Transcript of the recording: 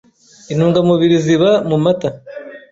Intungamubiri ziba mu mata